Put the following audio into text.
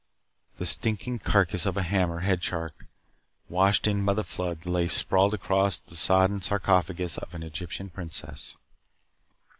The stinking carcass of a hammer head shark, washed in by the flood, lay sprawled across the sodden sarcophagus of an Egyptian princess.